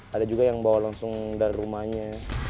ada juga yang bawa langsung dari rumahnya